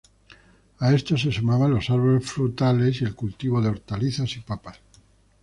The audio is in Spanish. A esto se sumaban los árboles frutales y el cultivo de hortalizas y papas.